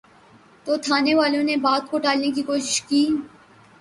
تو تھانے والوں نے بات کو ٹالنے کی کوشش کی۔